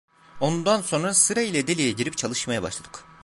Ondan sonra sıra ile deliğe girip çalışmaya başladık.